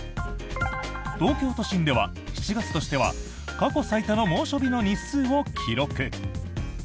東京都心では７月としては過去最多の猛暑日の日数を記録。